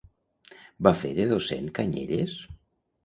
Va fer de docent Canyelles?